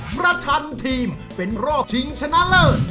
ชันทีมเป็นรอบชิงชนะเลิศ